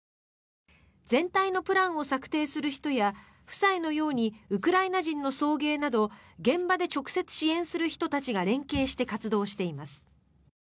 全体のプランを策定する人や夫妻のようにウクライナ人の送迎など現場で直接支援する人たちが連携して活動しています。